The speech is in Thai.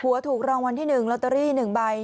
ผัวถูกรองวัลที่หนึ่งโลตเตอรี่หนึ่งใบ